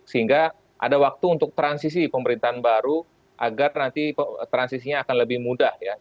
sehingga ada waktu untuk transisi pemerintahan baru agar nanti transisinya akan lebih mudah ya